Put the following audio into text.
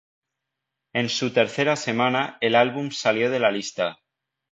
En su tercera semana el álbum salió de la lista.